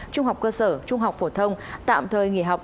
trung học cơ sở trung học phổ thông tạm thời nghỉ học